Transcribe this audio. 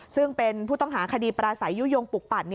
ซึ่งเป็นผู้ต้องหาคดีปราศัยยุโยงปลูกปั่น